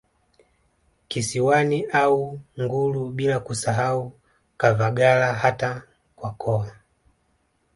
Kisiwani au Ngullu bila kusahau Kavagala hata Kwakoa